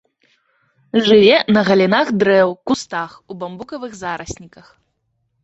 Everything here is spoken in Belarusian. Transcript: Жыве на галінах дрэў, кустах, у бамбукавых зарасніках.